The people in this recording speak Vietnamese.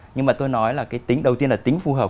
nhưng mà tôi nói là đầu tiên là tính phù hợp